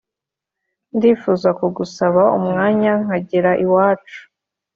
ndifuza kugusaba umwanya nkagera iwacu